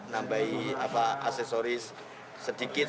nambah aksesoris sedikit